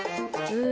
うん。